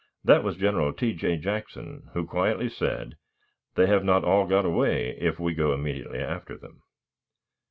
That was General T. J. Jackson, who quietly said, "They have not all got away if we go immediately after them."